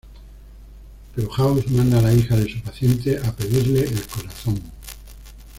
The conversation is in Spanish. Pero House manda a la hija de su paciente a pedirle el corazón.